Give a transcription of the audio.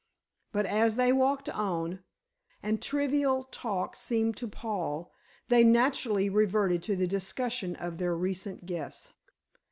But as they walked on, and trivial talk seemed to pall, they naturally reverted to the discussion of their recent guests.